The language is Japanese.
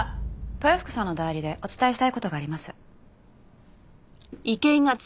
豊福さんの代理でお伝えしたい事があります。